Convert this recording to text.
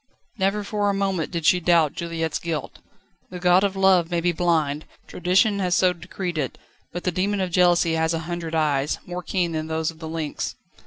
Never for a moment did she doubt Juliette's guilt. The god of love may be blind, tradition has so decreed it, but the demon of jealousy has a hundred eyes, more keen than those of the lynx.